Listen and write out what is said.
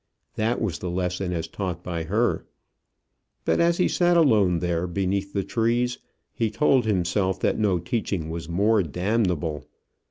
That was the lesson as taught by her. But as he sat alone there beneath the trees, he told himself that no teaching was more damnable.